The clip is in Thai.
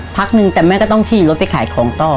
พักนึงแต่แม่ก็ต้องขี่รถไปขายของต่อ